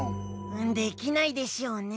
できないでしょうね。